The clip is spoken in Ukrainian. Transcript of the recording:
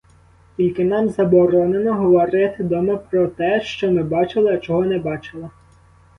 Тільки нам заборонено говорити дома про те, що ми бачили, а чого не бачили.